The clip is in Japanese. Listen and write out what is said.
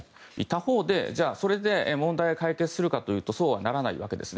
他方で、それで問題が解決するかというとそうはならないわけです。